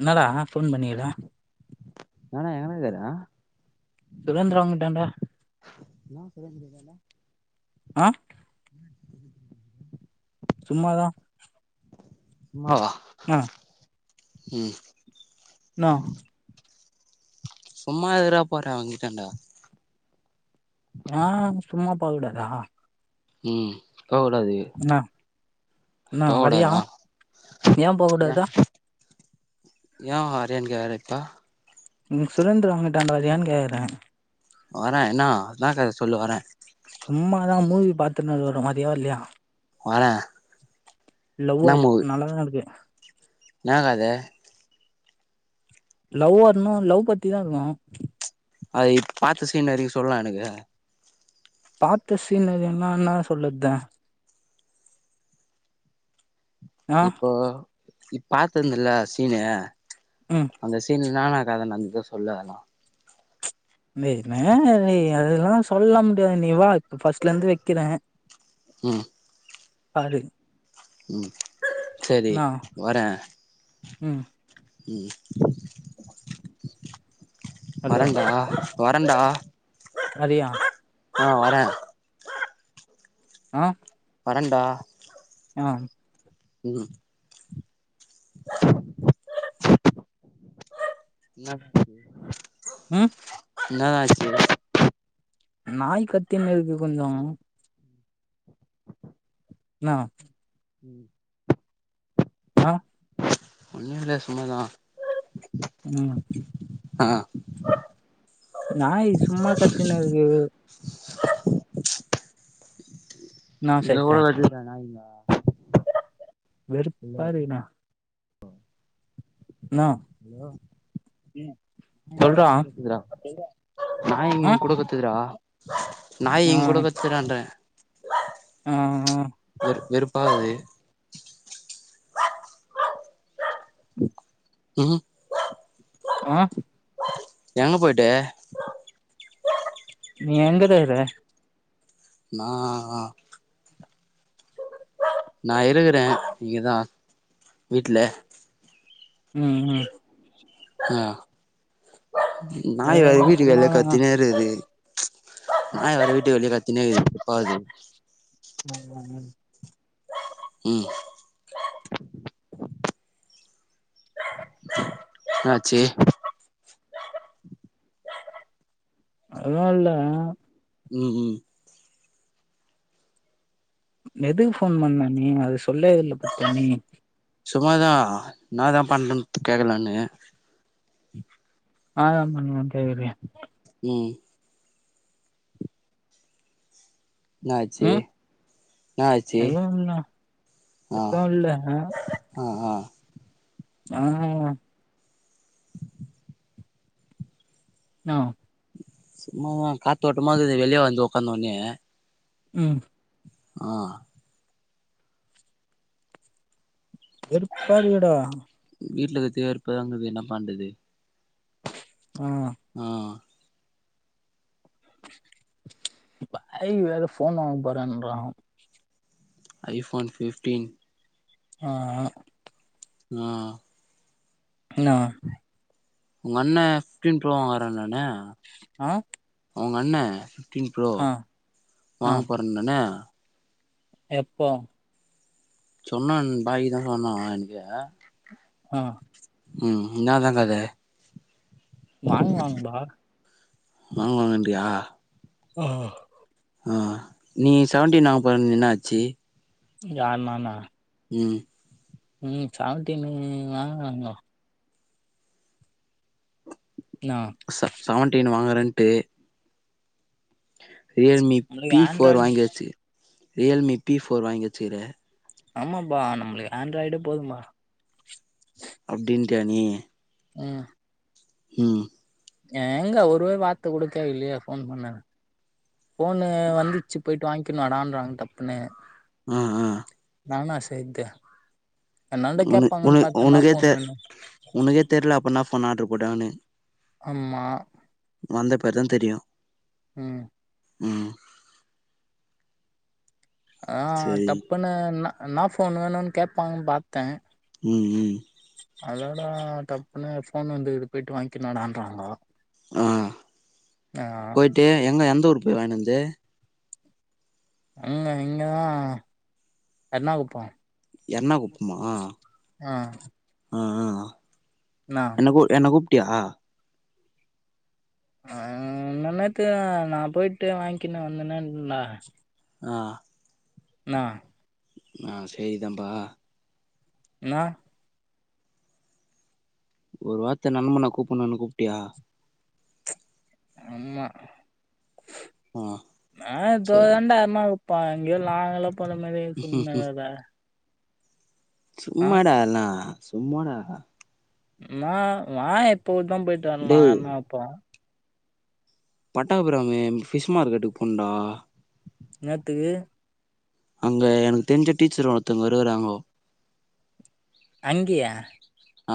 என்னடா ஃபோன் பண்ணிர்ற ஏனா எங்கனா இக்குற சுரேந்திரம் வீட்டாண்ட என்னா சுரேந்து வீட்டாண்ட ஆ சும்மாதா சும்மாவா ஆ ம் இன்ன சும்மா எதுக்றா போற அவ வீட்டாண்ட ஏ சும்மா போகூடாதா ம் போ கூடாது என்னா வரியா போகூடாதா ஏ ஏ வரயானு கேகற இப்ப நீ சுரேந்திர வீட்டாண்ட வர்றயான் கேக்கற வரே என்னா என்னா கத சொல்லு வரே சும்மாதா மூவி பாத்துனு இருக்கறோ வர்றயா வர்லியா வரே லவ்வர் நல்லாதா இருக்கு என்னாக்காது லவ்வர்ன லவ் பத்திதா இருக்கு அதை பாத்த சீன் வரைக்கு சொல்லா எனக்கு பாத்த சீன்வரயுனா என்னா சொல்லது ஆ இப்போ நீ பாத்தந்தில சீனு ம் அந்த சீன் என்னானா கத நந்துது சொல்லதலா தம்பி வேணாதம்பி அதெல்லா சொல்ல முடியாது நீ வா ஃபஸ்ட்ல இந்து வெக்கிறே ம் பாரு ம் செரி என்னா வரே ம் ம் ஹலோ வரண்டா வரண்டா வரியா ஆ வரே ஆ வரண்டா ஏ ம் இன்னாடா இது அ என்னடா ஆச்சு நாய் கத்தினு இருக்கு கொஞ்சொ என்னா ம் சா ஒண்ணு இல்ல சும்மாதா ம் ஆ நாய் சும்மா கத்தினிருக்கு என்னா சத்த எவ்ளோ வெச்ருக்க நாய்ங்க வெறுப்பாருக்னா ன்னா ஹலோ ம் நாய் சொல்றா எங்கூட ஆ கத்துதுடா நாய் இ ஆ கூட கத்துறான்றே ஆ வெறு பா இருக்குது [inaudible] ம் ஆ எங்க போய்டு நீ எங்க இருகார நா நான் இருக்கறே இங்கதா வீட்டுல ம் ம் ம் ஆ நாய் வேற வீட்டுக்கு வேலை சும்மாதாண்ணா கத்தினே இருக்குது நாய் வேறு வீட்டுக்கு வெளியே கத்தினேது எப்பாவது ம் ம் என்னாச்சு அதெல்லா இல்ல ம் ம் எதுக்கு போன் பண்ண நீ அது சொல்லவே இல்ல பத்த நீ சும்மாதா என்னதா பண்றன்னு கேக்கலனு ஆ ஆமா [unintelligible] ம் என்னாச்சு ம் என் அச்சு எதுவு இல்ல ஆ எதுவு இல்ல ஆ ஆஹ ஜனநாயகன் ம் சும்மாதா காத்தோஓட்டமா இருக்குது வெளியே வந்து உட்காந்தஉடனே ம் ஆ வெறுப்பா இருக்கு டா [unintelligible] என்ன பண்றது ஆ ஆ ஹரி வேற போன் வாங்கா போரன்ற ஐ போன் பிப்டீன் ஆ ம் என்னவா உங்க அண்ணன் பிப்டீன் ப்ரோ வாங்கறேன் நானே ஆ அவங்க அண்ண பிப்டின் ப்ரோ ஆ ஆ வாங்க போறேண்ணண்ணே எப்போ சொன்னா பாதிதா சொன்ன அவ ஏண்டாயே ம் உம் என்னதா கத வாங்ககுவாங்க நண்பா வாங்க வாங்கன்றியா ம் ஆ நீ செவன்டீன் வாங்க போறன் என்ன ஆச்சு யாரு நானா ம் ம் செவேன்டீனு வங்குவாங்க ஆ ச சவன்டீன் வாங்கறன்ட்டு ரியல்மி நம்மளுக்கு பி ஃபோர் ஆண்ட்ராய்டு வாங்கி வெச்சு ரியல்மி பி ஃபோர் வாங்கி வெச்சிற ஆமாம்பா நம்ப்ளுக்கு ஆண்ட்ராய்டு போதும்பா அப்டின்டியா நீ ம் ம் எங்க ஒருவ் வார்த்த கூட கேக்கலியே ஃபோன் பண்ணனு ஃபோனு வந்துச்சு போய்ட்டு வாய்ங்கின் வாடான்றாங்க டப்புனு அ அ நானா செய்து என்னாண்ட உன கேப்பாங்கன்னு உன பாத்தன்னா உனக்கே ஃபோன் தெ வேணு உனக்கே தெர்ல அப்ப இனா ஃபோன் ஆட்ரு போட்டாங்கனு ஆமா வந்தப்பர் தா தெரியு ம் ம் அ சரி டப்புனு ந இனா ஃபோனு வேணுன் கேப்பாங்கன் பாத்தே ம் ம் அதோட டப்புனு ஃபோன் வந்துகிது போய்ட்டு வாய்ங்கின்வாடான்றாங்கோ அ போய்ட்டு எங்க எந்த ஊரு போய் வாய்ன்வந்து அங்க இங்கதா எர்ணாகுப்போ எர்ணாகு அ அ அ என்ன கூ என்ன கூப்ட்டியா அ அ நேத்து நா போய்ட்டு வாய்ங்கினு வந்துனேன்ந் டா அ இனா அ செரிதான்ம்பா இனா ஒரு வார்த்த நண்பன கூப்புன்னொனு கூப்ட்டியா ஆமா ஆ நா சரி தோதண்டா எர்ணாகுப் பா எங்யோ நால்ங்கல போன மாரி சொல்லின்கெடக்கிற சும்மாடா அல்லா சும்மாடா ந வாயே இப்பகூட்தா போய்ட்டு வர்லா டேய் ன்னா இப்போ பட்டாபிராமு ஃபிஷ் மார்க்கெட்டுக் போனுன்டா இன்னத்துக்கு அங்க எனக்கு தெஞ்ச டீச்சர் ஒர்த்தவுங்கோ இருகுறாங்கோ அங்கியா அ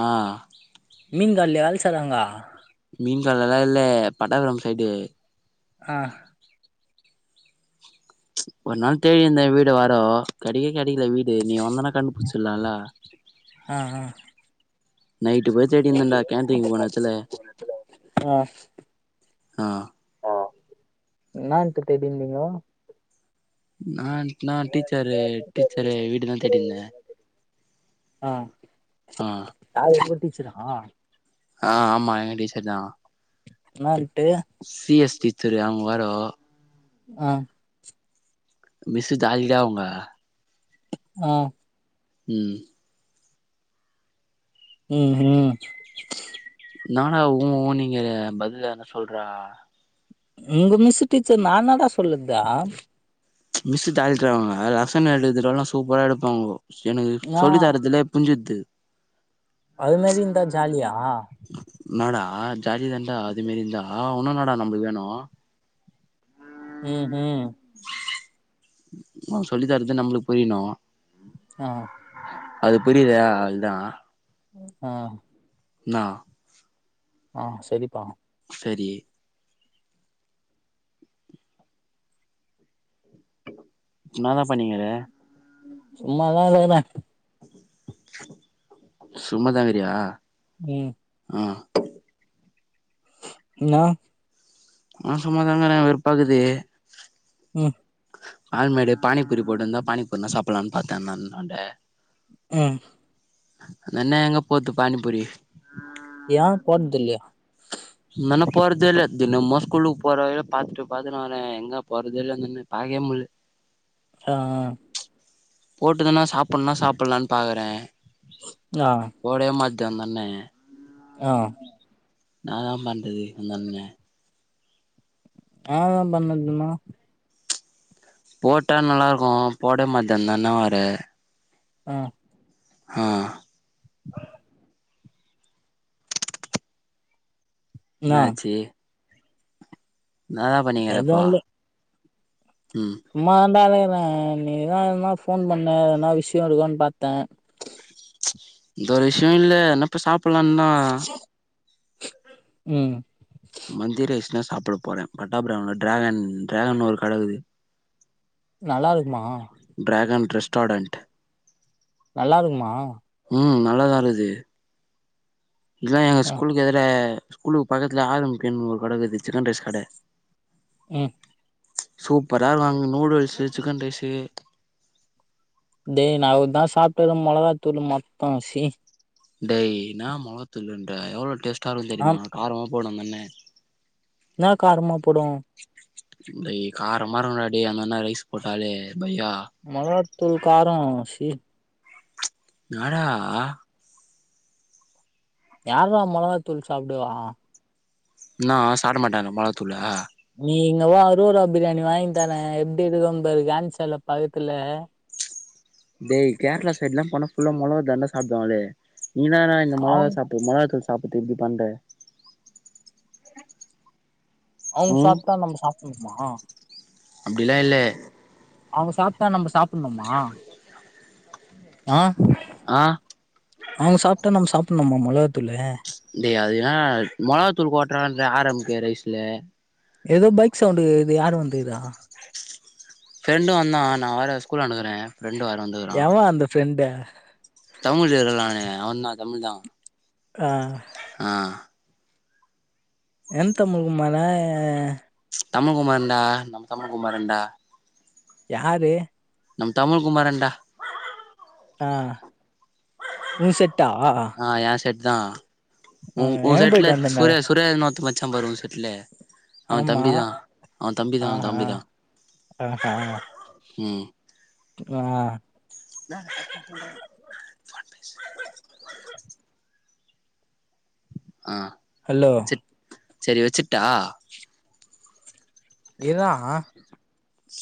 மீன் கல்யா வேல் செய்றாங்கோ மீன்கட்லலா இல்ல பட்டாபிரம் சைடு அ ஒர் நாள் தேடினிந்த வீடு வேரோ கடிக்க கெடயில வீடு நீ வந்தனா கண்டு புடிச்சில்லால ஆ நைட்டு போய் தேடிந்தன்டா கேன்டீன் போன எத்துல ஆ அ அ இன்னாதுக் தேடின்ந்திங்கோ இன்னான்ட்னா டீச்சரு டீச்சரு வீடுதா தேடின்ந்த அ யாரு உங்க டீச்சரா அ ஆமா எங்க டீச்சர் தா நாளிக் சிஎஸ் டீச்சரு அவுங் வேரோ அ மிஸ்ஸு [unintelligible] அவுங்க அ ம் ம் ம் ன்னாடா உ உ ன்ங்கிற பதுல் எதுனா சொல்றா உங்க மிஸ்ஸு டீச்சர் நான்னடா சொல்லுதா மிஸ்ஸு டேரிட்ரு அவுங்க லசன் எடுத்திட்டாலு சூப்பரா எடுப்பாங்கோ எனுகு ஆ சொல்லி தரதுலே புர்ஞ்சிட்து அது மேரிந்தா ஜாலியா ஆ ஜாலி தண்டா அது மேரிந்தா உன்னு ன்னடா நமபுள்க் வேணு ஹு ஹும் அவுங் சொல்லி தரது நம்ளுக் புரிய்னு ஆ அது புரியல்யா அல்தா அ நா ஆ செரிப்பா சரி ன்னாதா பண்ணிங்குற சும்மாதா [unintelligible] சும்மதக்குரியா ம் ஆஹ் நா நா சும்மாதாங்குற வெறுப்பாக்குது ம் ஆால்மேடு பானிப்பூரி போட்டுந்தா பானிப்பூர்னா சாப்புல்லான் பாத்த நல்நொன்ட ம் னன்னெ எங்க போத்து பானிபுரி யா போன்துல்யா மன்ன போறதேல்ல தினம்மோ ஸ்கூலுக் போற வைல பாத்துட்டு பாத்துனு வரே எங்க போறதேல்ல அந் அண்ணன் பாக் [unintelligible] யா போட்டுதன்னா சாப்புன்னா சாப்புல்லான் பாகுறே ஆ போடவே மாத் ட மண்ண அ ன்னா தா பண்றது அந்தண்ண ஏ தா பண்ணதுன்னா போட்டா நல்லார்க்கு போடே மாட்டன் தண்ண வாற ஆ ஹா என்னா ன்னாச்சி நாதா பண்ணிகிறப்போ சும்மாதான்டாலே நீதா எத்னா போன் பண்ண என்னா விஷயொ இருக்குன் பாத்த இந்த ஒரு விஷயொ இல்ல என்னப்ப சாப்புல்லா தா ம் ந சாப்புட போற பட்டாபுறான் உள்ள ட்ரேகன் ட்ரேகன்னு ஒரு கடகுது நல்லார்க்குமா ட்ரேகன் ட்ரெஸ்டாடண்ட் நல்லா இருக்குமா ம் நல்லாதா இருது இங்குதா எங்க ஆ ஸ்கூலுக்கு எதிர ஸ்கூலுக்கு பக்கத்துல ஆர் எம் கே ன்னு ஒரு கடை இக்குது சிக்கன் ரைஸ் கடை ம் சூப்பரா இருக் அங்க நூடுல்ஸ்ஸு சிக்கன் ரைஸீ அதேய் ந அவ தான் சாப்ட்டது மொளகாத்தூள் மொத்தம் சி டெய் நான் முொளத்தூள் இல்ன்ற எவ்ளோ டேஸ்ட்டா ஆ இருு தெரியுமா காரமா போடு அந்தன்னே என்ன காரமா போடு டெய் காரமா இருக்கு டெய் அந்தன்னா ரைஸ் போட்டாலே பையா த கார சி என்னாடா யார்ரா மொளகா தூள் சாப்டுவா நான் சாப்ட மாட்டான ப மொளகாதூல்ல நீ இங்க வா அருரூரா பிரியாணி வாங்கி தார எப்டி இருக்குபரு காந்தி சில பக்கத்துல டேய் கேரளா சைடு்ல்லா போனா புுல்லா மொளக தண்ட சாப்டுவாங்களே நீதான இந்த மொளகா அவங் சாப் மொளகாத்தூள் சாப்ட இப்டி பண்ற அவங் ம் சாப்ட்டா நம்ம சாப்ணுமா அப்டிலா இல்லே அவங்க சாப்ட்டா நம்ம சாப்டணுமா அ ஆ அவங்க சாப்ட்டா நம்ம சாப்டணும்மா மொளகாத்தூளு டேய் அது என்னா டா மொளகாத்தூள் ஓட்டுற ஆர் எம் கே ரைஸ்ல எதோ பைக் சவுண்டு கேக்குது யாரு வந்துக்ரா ஃப்ரெண்டு வந்தான் நான் வேற ஸ்கூல் ஆன்ட இக்குறே ஃப்ரெண்டு வரனட்க்குறா ஃப்ரெண்டா அவ தா தமிழ் தா ஆ ஆ எந் தமி குமா ன்ன தமி குமரண்டா நம்ம தமிழ் குமரண்டா யாரு நம் தமிழ் குமரண்டா ஆ உன் செட்டா தா ஆ உ உன் எங்க செட்ல போயிட்டு வந்தேன்னாரு சூரியா சூரியா ன்னு ஒருத்தன் பச்சான் பாரு உன் செட்ல அவ ஆமா தம்பி தா அவ தம்பி தா அவ தம்பிதா ஆஹ்ஹ ம் ஆ ஆ ஹலோ ச சரி வச்சுட்டா இர்ரா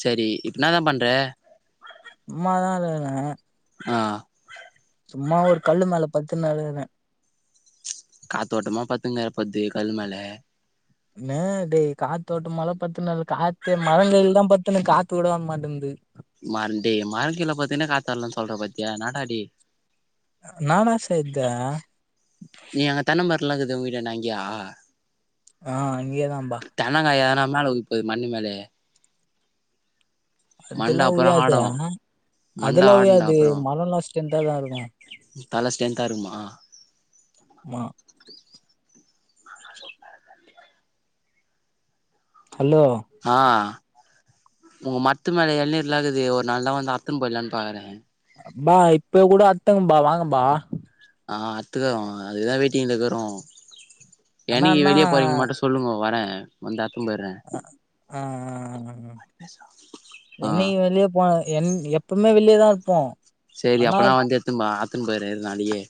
சரி இப் எனா தா பண்ற சும்மா தா இருக்குறே ஆ சும்மா ஒரு கல்லு மேல பத்துன்னு இக்குறே காத்தோட்டமா பத்துன்னு இக்குற பத் கல்மேல என்ன டேய் காத்தோட்டமால பத்துன்னு இருக்கல காத்து மரங்கல் தா பத்து அத்தன காத்து கூட வர மாட்டேந்தது மண்டே மர கீழ பாத்தீன்னா காத்து வரலன்னனு சொல்றே பாத்தியா என்னடா டேய் நான என் செய்தே [unintelligible] வீட்டான்ட அங்யா ஆ அங்கயே தான்ம்பா மேலே விழப்போது மண்ணு மேலே அதெல்லா அப்புறோ உழாது ஆடு ஆ மண்ட அதெல்லா உழாது மரல்லா ஸ்ட்ரென்தா இருக்கு உ தல ஸ்ட்ரென்தா இருக்குமா மா ஹலோ ஆ உங்க மர்த்து மேல எள்நீர்லா இக்குது ஒரு நாள்னா வந்து அற்த்துன்னு போய்ட்லான் பாக்குறே பா இப்பக் கூட அற்த்துங்கபா வாங்க பா ஆ அற்த்துக்குறோ அதுக்குதா வெயிட்டிங்ல இக்குறோ அண்ணா என்னைக்கு அண்ணா வெளியே போறீங்கன் மட்டு சொல்லுங்கோ வரே வந்து அற்த் அ ஆ ஆ ஆ ஆ என்னைக்கு வெளிய போன என் எப்பவுமே வெளிய தா இருப்போ சேரி ஆனா அப்பனா வந்து எட்த்துன் போலா அற்த்துன் போயிறே இரு நாளைக்கே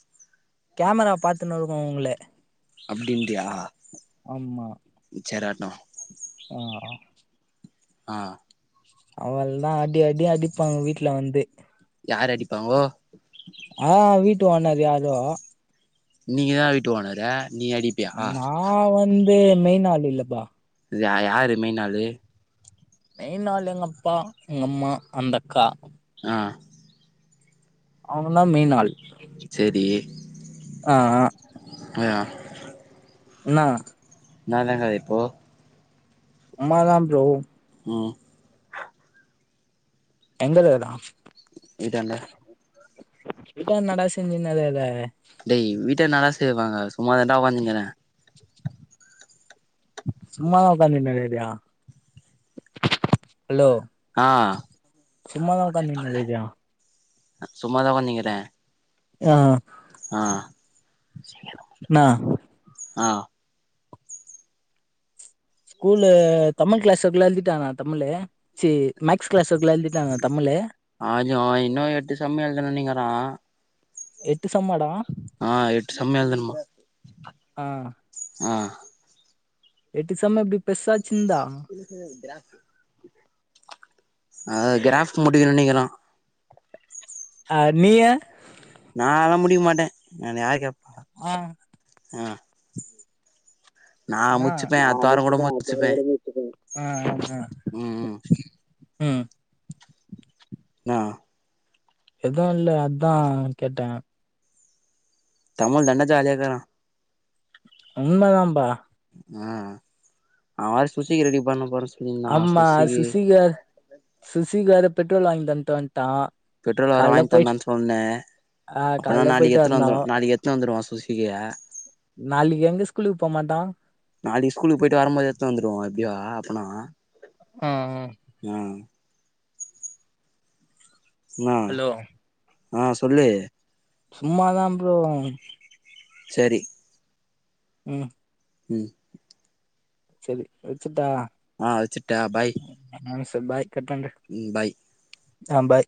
கேமரா பாத்துன்னு இருக்கு உங்ள அப்டின்ட்றியா ஆமா சேராட்டு ஆ ஆ ஆ அவள்தா அடி அடி அடிப்பாங்க வீட்ல வந்து யாரு அடிப்பாங்கோ ஆ வீட்டு ஓனர் யாரோ நீங்கதா வீட்டு ஓனரு நீ அடிப்பியா நா வந்து மெய்னாள் இல்லப்பா யா யாரு மெயின்னாளு மெயின் நாள் எங்கப்பா எங்கம்மா அந்தக்கா ஆ அவ்ங்கதா மெய்னாள் சேரி ஆ ஆ ஆ இன்னா நாந்தாங்கறே இப்போ ரெண்டாவ்து தா ப்ரோ ம் எங்களுதா வீட்டாண்ட வீட்டா என்னடா செஞ்சுனு இருக்குற டேய் வீட்ல என்னடா செய்வாங்க சும்மா தான்டா ஒக்காந்துங்கிறே சும்மாதா ஒக்காந்துன்னு இருக்குறியா ஹலோ ஆ சும்மாதா ஒக்காந்துக்குன்னு இருப்பியா அ சும்மாதா ஒக்காந்துக்கிறே ஆ ஆ நா ஆ ஸ்கூல்ல தமிழ் கிளாஸுக்குலா எழுதிட்டாங்கனா தமிழு சேரி மேக்ஸ் கிளாஸ் இருக்குல எழுதிட்டானா தமிழு அஜு இன்னு எட்டு சம்மு எழுதணு நீங்கறா எட்டு சம்மாடா ஆ எட்டு சம்மு எழுதனுமா ஆ ஆ எட்டு சம்மு அப்டி பெர்சாக் ஹில் துரை ப்ராக்கு அ கிராஃப்ட் முடியலனா இங்கதா ஆ நீய நாளா முடிக்க மாட்டே நான் யார கேப் ஆ அ அண்ணா நா அமுச்சுட்டே அவுங்க சேரவே இல்ல விட்டுட்டங்க ம் ம் ம் நா எதுவு இல்ல அதா கேட்டே தமிழ் தாண்டா ஜாலியாருக்குரா உண்மதாம்பா ஆ அவ வேர சுசிக்கி ரெடி பண்ண போறே சொல்லி அம்மா சுசிகார் சுசிகார பெட்ரோல் வாங்கி தண்ட்டு வன்ட் பெட்ரோல் வேர வாங்கி தந்தான்னு சொன்னே ஆ அப்பன்னா கால்ல நாளைக்கி போயிட்டு எத்துனு வந்தோ வந்துருவா நாளைக்கி எத்துனு வந்துருவோ சுகியா நாளைக்கு எங்க ஸ்கூலுக்கு போமாட்டா நாளைக்கி ஸ்கூலுக்கு போயிட்டு வரும்போது எத்துனு வந்துருவோ அப்டியா அப்பனா ஆ ஆ உம் ம் ஹலோ ஆ சொல்லு சும்மாதா ஃப்ரோ சரி ம் ம் செரி வச்சுற்ட்டா ஆ வச்சுற்ட்டா ஃபாய் சரி பாய் கட் பண்றே ம் ஃபாய் ஆ ஃபாய்